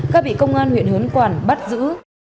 ga bị công an huyện hớn quản bắt giữ